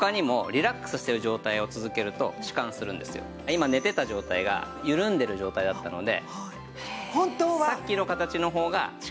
今寝てた状態が緩んでる状態だったので。